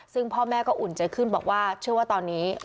ซึ่งพ่อแม่ก็อุ่นใจขึ้นบอกว่าเชื่อว่าตอนนี้